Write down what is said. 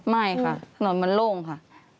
ไม่ค่ะถนนมันโล่งค่ะ